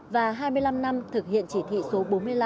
và hai mươi năm năm thực hiện chỉ thị số bốn mươi năm